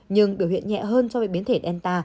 nhưng biểu hiện nhẹ hơn so với biến thể delta